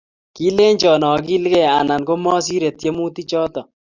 Kilenji agilge anan komasirei tyemutichoto